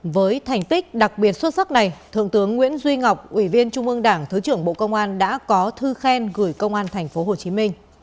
với thành tích đặc biệt xuất sắc này thượng tướng nguyễn duy ngọc ủy viên trung ương đảng thứ trưởng bộ công an đã có thư khen gửi công an tp hcm